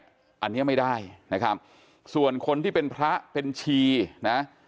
อันนี้ไม่ได้นะครับส่วนคนที่เป็นพระเป็นชีนะ